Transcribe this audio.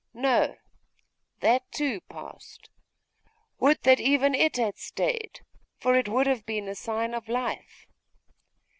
No! that, too, passed. Would that even it had stayed, for it would have been a sign of life!